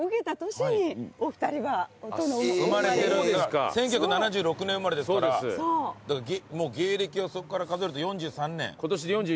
生まれてるじゃあ１９７６年生まれですからもう芸歴はそこから数えると４３年。